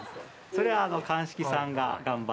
それは。